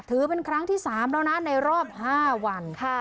ถือเป็นครั้งที่สามแล้วนะในรอบห้าวันค่ะ